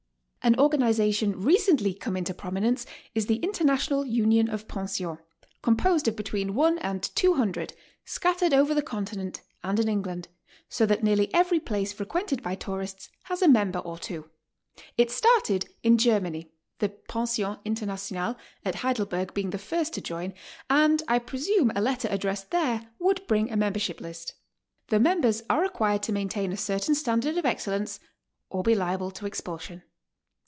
An organization recently come into prominence is the International Union of Pensions, composed of betwe en one and two hundred, scattered over the Continent and in Eng land, so that nearly every place frequented by tourists has a member or two. It started in Germany, the Pension Inter national at Heidelberg being the first to join, and I presume a letter addressed there would bring a membership list. The m embers are required to maintain a certain standard of e xcel ince, or be liable to expulsion.